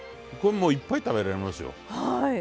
これもういっぱい食べられますよ。